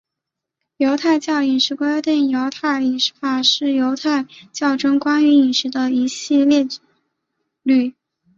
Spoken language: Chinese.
犹太教饮食规定或犹太饮食法是犹太教中关于饮食的一系列律。